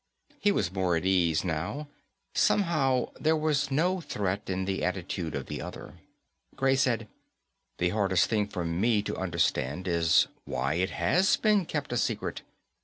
_ He was more at ease now; somehow there was no threat in the attitude of the other. Gray said, "The hardest thing for me to understand is why it has been kept a secret.